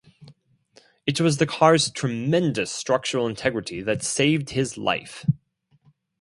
It was the car's tremendous structural integrity that saved his life.